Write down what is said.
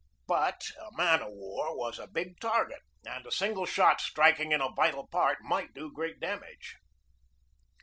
But a man of war was a big target, and a single shot striking in a vital part might do great damage.